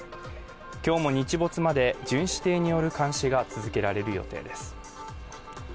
今日も日没まで巡視艇による監視が続けられる予定です